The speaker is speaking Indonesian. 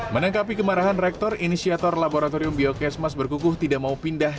menangkapi kemarahan rektor inisiator laboratorium biokesmas berkukuh tidak mau pindah